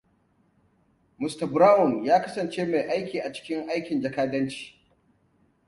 Mista Brown ya kasance mai aiki a cikin aikin jakadanci.